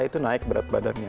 itu naik berat badannya